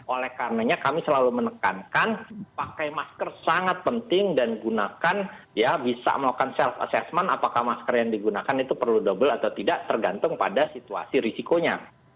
oleh karenanya kami selalu menekankan pakai masker sangat penting dan gunakan ya bisa melakukan self assessment apakah masker yang digunakan itu perlu double atau tidak tergantung pada situasi risikonya